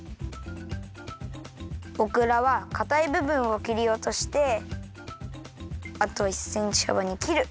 オクラはかたいぶぶんをきりおとしてあとは１センチはばにきる！